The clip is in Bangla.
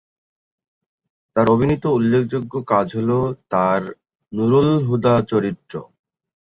তার অভিনীত উল্লেখযোগ্য কাজ হল তার "নূরুল হুদা" চরিত্র।